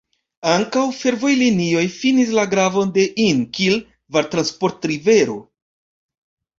Ankaŭ fervojlinioj finis la gravon de Inn kiel vartransportrivero.